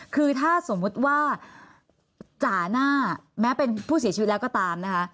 คือถ้าสมมุติว่าจ่าหน้าแม้เป็นผู้เสียชีวิตแล้วก็ตามนะคะ